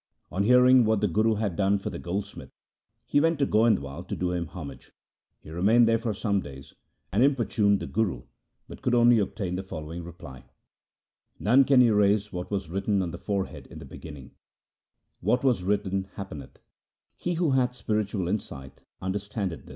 On hearing what the Guru had done for the goldsmith, he went to Goindwal to do him homage. He remained there for some days and importuned the Guru, but could only obtain the following reply :— None can erase what was written on the forehead in the beginning : What was written happeneth ; he who hath spiritual insight understandeth this.